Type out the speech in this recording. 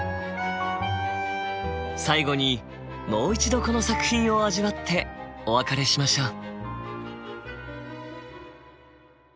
最後にもう一度この作品を味わってお別れしましょう。